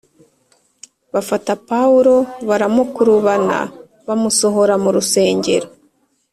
bafata Pawulo baramukurubana bamusohora mu rusengero